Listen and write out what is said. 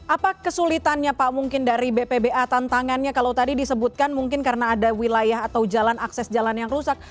apa kesulitannya pak mungkin dari bpba tantangannya kalau tadi disebutkan mungkin karena ada wilayah atau jalan akses jalan yang rusak